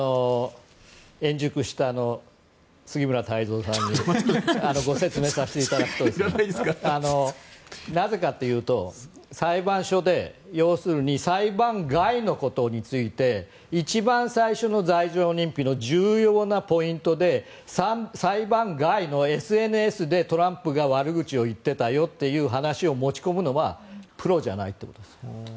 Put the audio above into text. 円熟した杉村太蔵さんにご説明させていただくとなぜかというと裁判所で要するに裁判外のことについて一番最初の罪状認否の重要なポイントで裁判外のＳＮＳで、トランプが悪口を言っていたよという話を持ち込むのはプロじゃないってことです。